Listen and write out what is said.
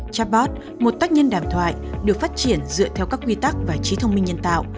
chatbot một tác nhân đàm thoại được phát triển dựa theo các quy tắc và trí thông minh nhân tạo